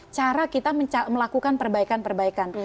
cara kita melakukan perbaikan perbaikan